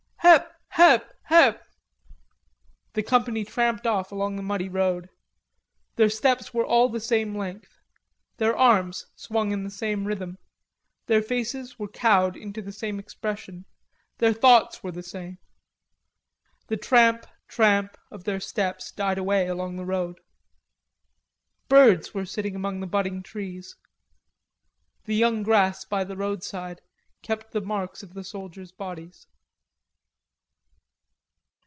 Hep, hep, hep!" The Company tramped off along the muddy road. Their steps were all the same length. Their arms swung in the same rhythm. Their faces were cowed into the same expression, their thoughts were the same. The tramp, tramp of their steps died away along the road. Birds were singing among the budding trees. The young grass by the roadside kept the marks of the soldiers' bodies.